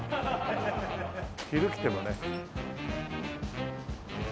昼来てもね。